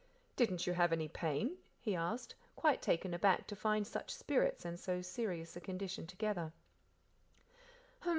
"Didn't you have any pain?" he asked, quite taken aback to find such spirits and so serious a condition together.